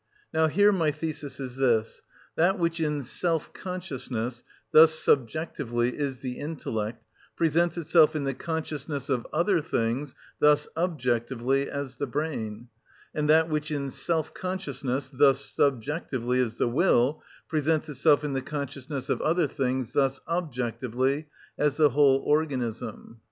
Now here my thesis is this: _that which in self consciousness, thus subjectively is the intellect, presents itself in the consciousness of other things, thus objectively, as the brain; and that which in self consciousness, thus subjectively, is the will, presents itself in the consciousness of other things, thus objectively, as the whole organism_.